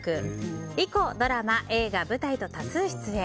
以降、ドラマ、映画、舞台と多数出演。